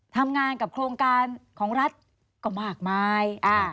ทำงานกับโครงการของรัฐก็มากมาย